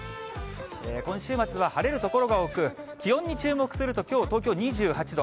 今週末は晴れる所が多く、気温に注目すると、きょう、東京２８度。